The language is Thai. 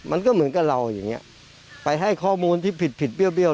มันก็เหมือนกับเราอย่างเงี้ยไปให้ข้อมูลที่ผิดผิดเบี้ย